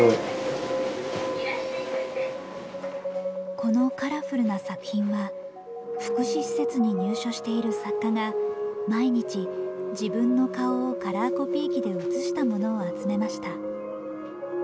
このカラフルな作品は福祉施設に入所している作家が毎日自分の顔をカラーコピー機で写したものを集めました。